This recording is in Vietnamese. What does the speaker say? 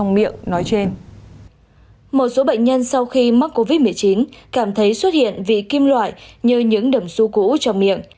một số bệnh nhân sau khi mắc covid một mươi chín cảm thấy xuất hiện vị kim loại như những đầm su cũ cho miệng